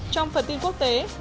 trong phần tin quốc tế